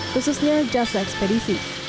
khususnya jasa ekspedisi